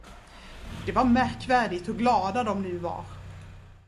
Det var märkvärdigt hur glada de nu var.